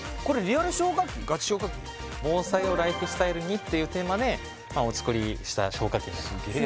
「防災をライフスタイルに。」っていうテーマでお作りした消火器になります